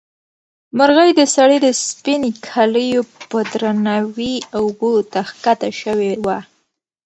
مرغۍ د سړي د سپینې کالیو په درناوي اوبو ته ښکته شوې وه.